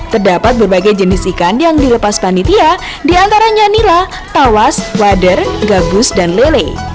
terdapat berbagai jenis ikan yang dilepas panitia diantaranya nila tawas wader gabus dan lele